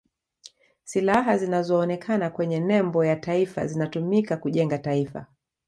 silaha zinazoonekana kwenye nembo ya taifa zinatumika kujenga taifa